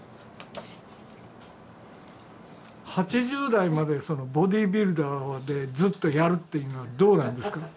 ８０代までボディビルダーでずっとやるっていうのはどうなんですか？